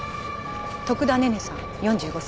徳田寧々さん４５歳。